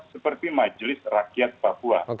seperti majelis rakyat papua